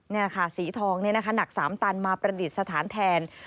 นี่แหละค่ะสีทองนี่นะคะหนักสามตันมาประดิษฐ์สถานแทน